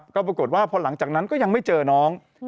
ก็ปรากฏว่าพอหลังจากนั้นก็ยังไม่เจอน้อง